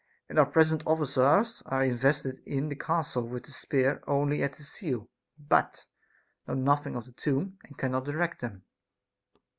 And our present officers are invested in the castle with the spear only and the seal, but know nothing of the tomb, and cannot direct him.